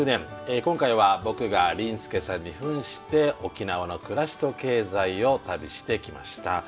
今回は僕が林助さんにふんして沖縄の「暮らしと経済」を旅してきました。